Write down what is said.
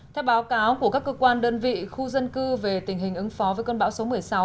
theo báo cáo của các cơ quan đơn vị khu dân cư về tình hình ứng phó với cơn bão số một mươi sáu